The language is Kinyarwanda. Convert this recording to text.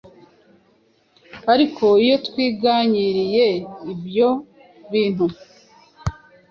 ariko iyo twiganyiriye ibyo bintu,